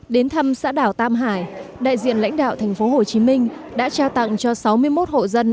đến thăm xã đảo tam hải đại diện lãnh đạo tp hcm đã trao tặng cho sáu mươi một hộ dân